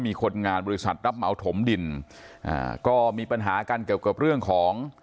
มีคนงานบริษัทรับเหมาถมดินอ่าก็มีปัญหากันเกี่ยวกับเรื่องของ